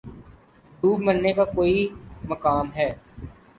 دوب مرنے کا کوئی مقام ہے